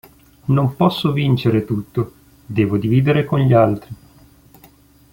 Non posso vincere tutto, devo dividere con gli altri.